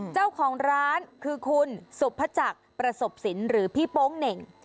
เจ้าของร้านคือคุณสุพจักรประสบสินหรือพี่โป๊งเหน่ง